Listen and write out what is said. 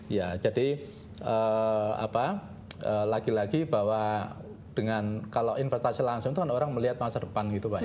ya jadi lagi lagi bahwa dengan kalau investasi langsung itu kan orang melihat masa depan gitu pak ya